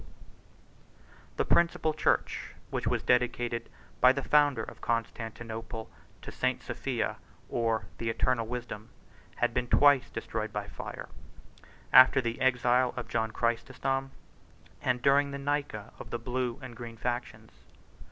70.)] The principal church, which was dedicated by the founder of Constantinople to St. Sophia, or the eternal wisdom, had been twice destroyed by fire; after the exile of John Chrysostom, and during the Nika of the blue and green factions.